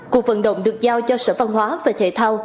cuộc vận động được giao cho sở văn hóa và thể thao